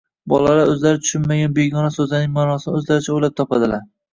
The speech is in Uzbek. bolalar o‘zlari tushunmagan begona so‘zlarning ma’nosini o‘zlaricha o‘ylab topadilar